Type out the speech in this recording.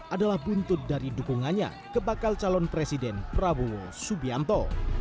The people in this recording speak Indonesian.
adalah buntut dari dukungannya ke bakal calon presiden prabowo subianto